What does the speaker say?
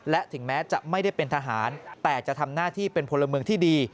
และถึงแม้จะไม่ได้เป็นทหารแต่จะทำหน้าที่เป็นพลเมืองที่ดี